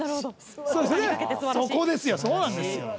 そこですよ、そうなんです。